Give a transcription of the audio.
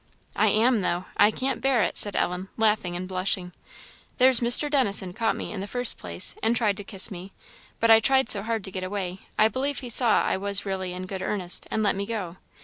"I am, though I can't bear it," said Ellen, laughing and blushing. "There's Mr. Dennison caught me, in the first place, and tried to kiss me, but I tried so hard to get away, I believe he saw I was really in good earnest, and let me go.